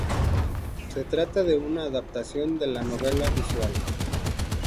Se trata de una adaptación de la novela visual.